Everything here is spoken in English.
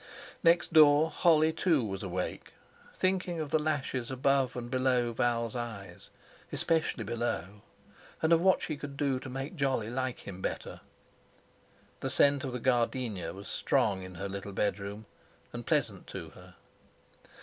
Next door Holly too was awake, thinking of the lashes above and below Val's eyes, especially below; and of what she could do to make Jolly like him better. The scent of the gardenia was strong in her little bedroom, and pleasant to her.